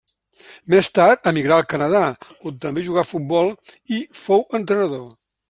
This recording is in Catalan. Més tard emigrà al Canadà on també jugà a futbol i fou entrenador.